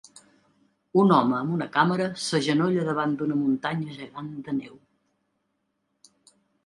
Un home amb una càmera s'agenolla davant d'una muntanya gegant de neu.